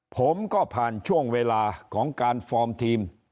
ผมก็ผ่านช่วงเวลาของการฟอร์มทีม